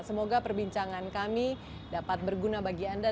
semoga perbincangan kami dapat berguna bagi anda